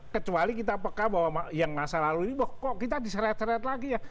kecuali kita peka bahwa yang masa lalu ini kok kita diseret seret lagi ya